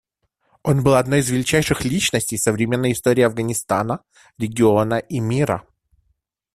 Он был одной из величайших личностей современной истории Афганистана, региона и мира.